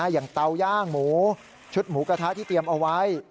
เตาย่างหมูชุดหมูกระทะที่เตรียมเอาไว้